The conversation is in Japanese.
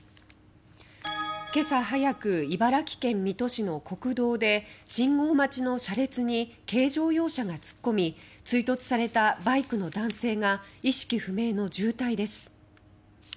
今朝早く、茨城県水戸市の国道で信号待ちの車列に軽乗用車が突っ込み追突されたバイクの男性が意識不明の重体です。